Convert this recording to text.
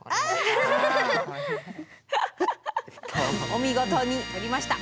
お見事に取りました。